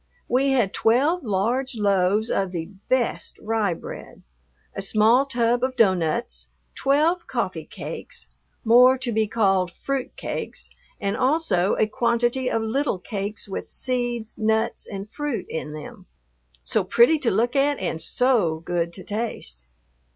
We had twelve large loaves of the best rye bread; a small tub of doughnuts; twelve coffee cakes, more to be called fruit cakes, and also a quantity of little cakes with seeds, nuts, and fruit in them, so pretty to look at and so good to taste.